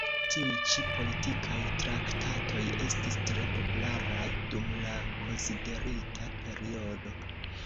Tiuj ĉi politikaj traktatoj estis tre popularaj dum la konsiderita periodo.